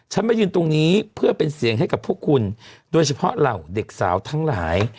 มายืนตรงนี้เพื่อเป็นเสียงให้กับพวกคุณโดยเฉพาะเหล่าเด็กสาวทั้งหลาย